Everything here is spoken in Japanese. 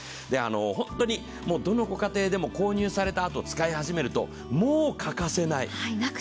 本当に、どのご家庭でも購入されたあと使い始めると、もう欠かせない。